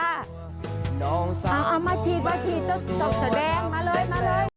เอามาฉีดมาฉีดเจ้าแสดงมาเลยมาเลย